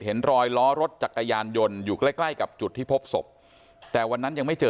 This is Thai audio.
เห็นรอยล้อรถจักรยานยนต์อยู่ใกล้ใกล้กับจุดที่พบศพแต่วันนั้นยังไม่เจอ